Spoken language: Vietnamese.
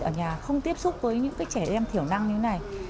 ở nhà không tiếp xúc với những trẻ em thiểu năng như thế này